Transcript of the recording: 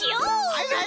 はいはい！